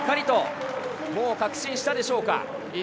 もう確信したでしょうか。